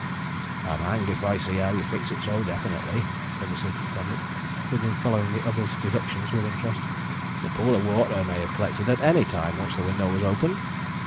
"I'm hanged if I see how you fix it so definitely," said the superintendent, who had been following the other's deductions with interest. "The pool of water may have collected at any time, once the window was open."